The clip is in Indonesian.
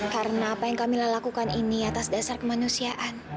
karena apa yang kamilah lakukan ini atas dasar kemanusiaan